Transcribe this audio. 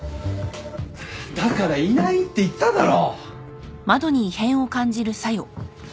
だからいないって言っただろ！